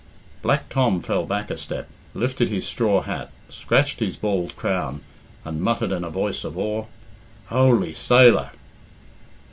Black Tom fell back a step, lifted his straw hat, scratched his bald crown, and muttered in a voice of awe. "Holy sailor!"